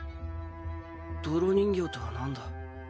泥人形とはなんだ？